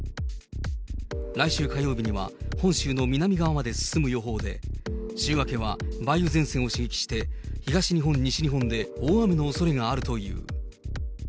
来週火曜日には、本州の南側まで進む予報で、週明けは梅雨前線を刺激して、東日本、西日本で大雨のおそれがあるという。